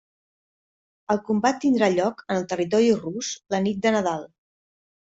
El combat tindrà lloc en territori rus la nit de Nadal.